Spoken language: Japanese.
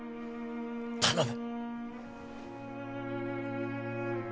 頼む！